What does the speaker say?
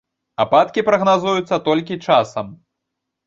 Ападкі прагназуюцца толькі часам.